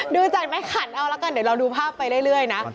เดี๋ยวดูภาพไปเรื่อยนะ